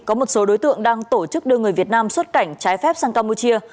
có một số đối tượng đang tổ chức đưa người việt nam xuất cảnh trái phép sang campuchia